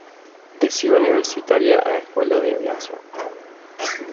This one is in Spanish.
De Ciudad Universitaria a Escuela de Aviación.